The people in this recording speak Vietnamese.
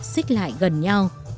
xích lại gần nhau